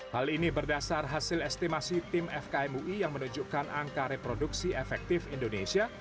hal ini berdasar hasil estimasi tim fkm ui yang menunjukkan angka reproduksi efektif indonesia